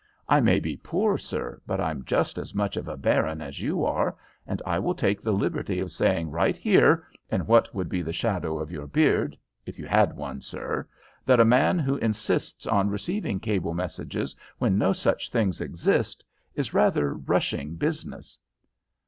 I may be poor, sir, but I'm just as much of a baron as you are, and I will take the liberty of saying right here, in what would be the shadow of your beard, if you had one, sir, that a man who insists on receiving cable messages when no such things exist is rather rushing business."